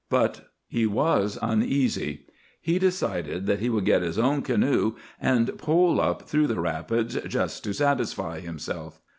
But he was uneasy. He decided that he would get his own canoe and pole up through the rapids, just to satisfy himself.